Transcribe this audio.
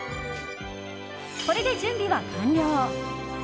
これで準備は完了。